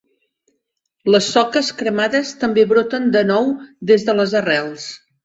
Les soques cremades també broten de nou des de les arrels.